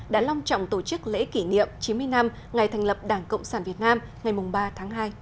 đã long trọng tổ chức lễ kỷ niệm chín mươi năm ngày thành lập đảng cộng sản việt nam ngày ba tháng hai